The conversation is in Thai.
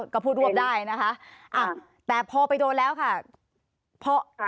ก็พูดรวบได้นะคะแต่พอไปโดนแล้วค่ะ